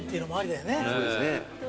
そうですね。